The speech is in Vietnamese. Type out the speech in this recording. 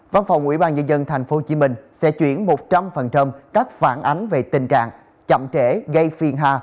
văn phòng ubnd tp hcm sẽ chuyển một trăm linh các phản ánh về tình trạng chậm trễ gây phiền hà